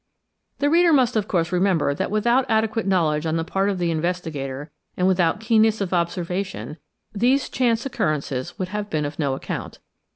The reader must, of course, remember that without adequate knowledge on the part of the investigator and without keenness of observation these chance occurrences would have been of no account.